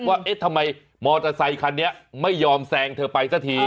ว่าเอ๊ะทำไมมอเตอร์ไซคันนี้ไม่ยอมแซงเธอไปสักที